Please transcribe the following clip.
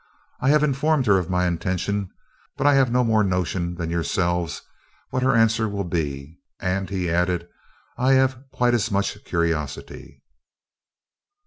I have informed her of my intention, but I have no more notion than yourselves what her answer will be, and," he added, "I have quite as much curiosity."